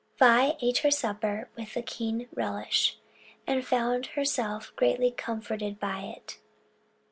Vi ate her supper with a keen relish, and found herself greatly comforted by it.